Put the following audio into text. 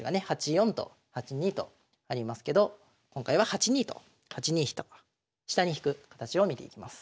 ８四と８二とありますけど今回は８二と８二飛と下に引く形を見ていきます。